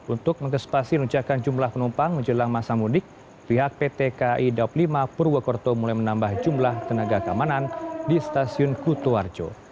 untuk menggespasi rencakan jumlah penumpang menjelang masa mudik pihak ptki dua puluh lima purwokerto mulai menambah jumlah tenaga keamanan di stasiun kutoarjo